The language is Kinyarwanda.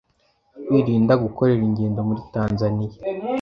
kwirinda gukorera ingendo muri Tanzania